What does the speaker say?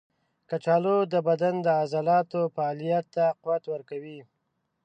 کچالو د بدن د عضلاتو فعالیت ته قوت ورکوي.